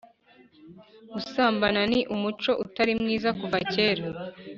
gusambana ni umuco utari mwiza kuva kera